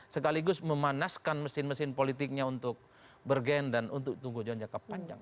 sekaligus memanaskan mesin mesin politiknya untuk bergen dan untuk tunggu jalan jangka panjang